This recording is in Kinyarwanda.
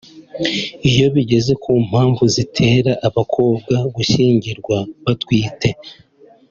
Iyo bigeze ku mpamvu zitera abakobwa gushyingirwa batwite